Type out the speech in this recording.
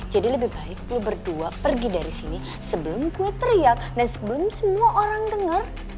jadi lebih baik lo berdua pergi dari sini sebelum gue teriak dan sebelum semua orang denger